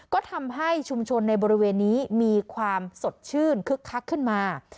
ก็ทำให้ชุมชนในบริเวณนี้มีความสดชื่นคึกคักขึ้นมา